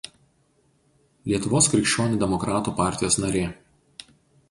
Lietuvos krikščionių demokratų partijos narė.